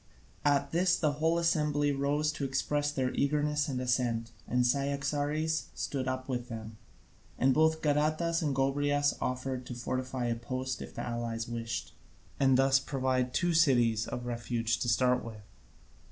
At this the whole assembly rose to express their eagerness and assent, and Cyaxares stood up with them. And both Gadatas and Gobryas offered to fortify a post if the allies wished, and thus provide two cities of refuge to start with.